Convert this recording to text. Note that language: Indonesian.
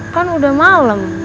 kan udah malem